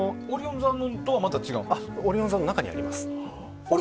オリオン座も中にあります。